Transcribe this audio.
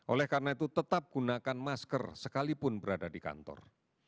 oleh karena itu tetap gunakan masker sekalipun berada di kantor